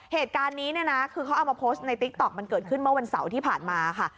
เหตุการณ์นี้เนี่ยนะคือเขาเอามาโพสต์ในติ๊กต๊อกมันเกิดขึ้นเมื่อวันเสาร์ที่ผ่านมาค่ะ